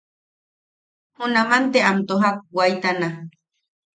Junaman te am tojak waitana.